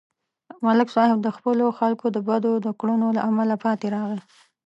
ملک صاحب د خپلو خلکو د بدو کړنو له امله پاتې راغی